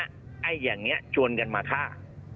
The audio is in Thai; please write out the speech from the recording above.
อะไรแบบนี้ชวนกันมาฆ่า